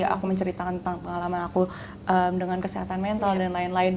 aku menceritakan tentang pengalaman aku dengan kesehatan mental dan lain lain